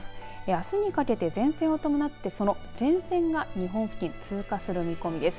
あすにかけて前線を伴ってその前線が日本付近通過する見込みです。